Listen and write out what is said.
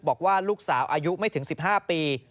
บอกว่าลูกสาวอายุไม่ถึง๑๕ปี